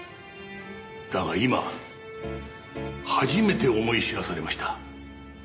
だが今初めて思い知らされました。